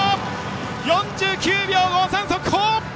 ４９秒５３の速報！